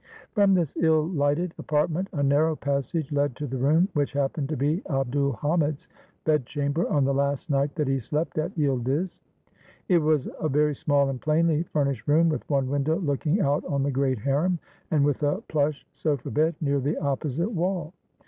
From this ill lighted apartment a narrow passage led to the room which happened to be Abd ul Hamid's bedchamber on the last night that he slept at Yildiz. It was a very small and plainly furnished room with one window looking out on the great harem and with a plush sofa bed near the opposite wall.